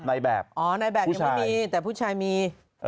นายแบบมี